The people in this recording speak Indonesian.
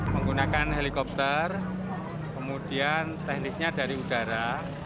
menggunakan helikopter kemudian teknisnya dari udara